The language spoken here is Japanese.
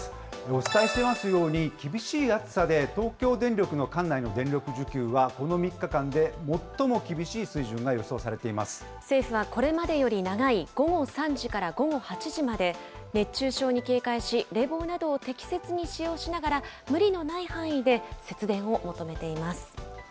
お伝えしていますように、厳しい暑さで、東京電力の管内の電力需給は、この３日間で最も厳しい水政府はこれまでより長い、午後３時から午後８時まで、熱中症に警戒し、冷房などを適切に使用しながら、無理のない範囲で節電を求めています。